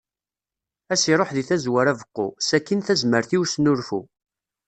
Ad as-iruḥ deg tazwara beqqu, sakkin tazmert i usnulfu.